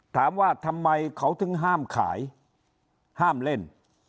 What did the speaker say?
ถามว่าทำไมเขาถึงห้ามขายห้ามเล่น